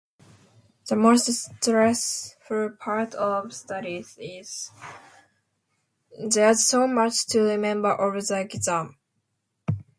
The most stressful part of studies is... there's so much to remember, all of the exam.